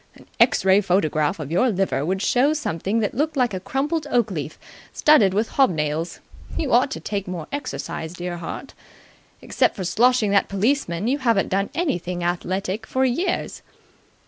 An X ray photograph of your liver would show something that looked like a crumpled oak leaf studded with hob nails. You ought to take more exercise, dear heart. Except for sloshing that policeman, you haven't done anything athletic for years."